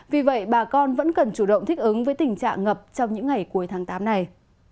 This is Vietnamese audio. vì vậy bà con vẫn cần chủ động thích ứng với tình trạng ngập trong những ngày cuối tháng tám này